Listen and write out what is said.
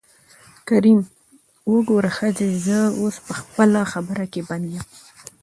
کريم : ګوره ښځې زه اوس په خپله خبره کې بند يم.